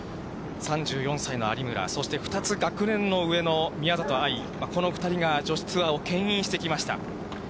３４歳の有村、そして、２つ学年の上の宮里藍、この２人が女子ツアーをけん引してきました。